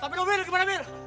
sampai dah wil kemana wil